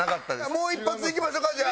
もう一発いきましょうかじゃあ。